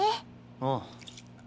ああ。